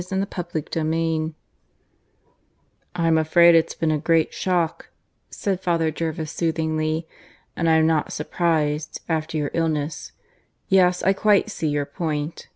CHAPTER IV (I) "I'm afraid it's been a great shock," said Father Jervis soothingly. "And I'm not surprised, after your illness. ... Yes I quite see your point.